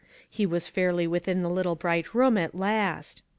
He was fairly within the little bright room at last.